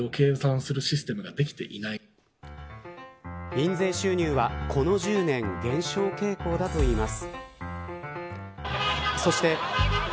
印税収入は、この１０年減少傾向だといいます。